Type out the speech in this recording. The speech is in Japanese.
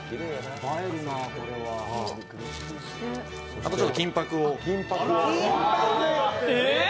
あと、ちょっと金ぱくを。